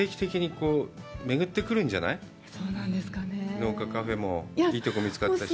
農家カフェも、いいところが見つかったし。